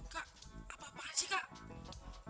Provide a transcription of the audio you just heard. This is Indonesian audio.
kak apa apaan sih kak